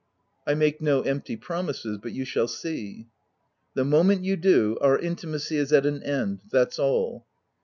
" I make no empty promises, but you shall see." " The moment you do, our intimacy is at an end, that's all."